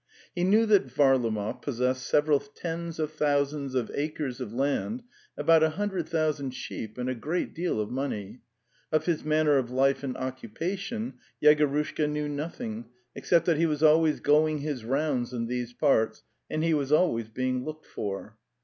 He knew that Varlamov possessed several tens of thousands of acres of land, about a hundred thousand sheep, and a great deal of money. Of his manner of life and occupation Yegorushka knew nothing, except that he was always '' going his rounds in these parts," and he was always being looked for.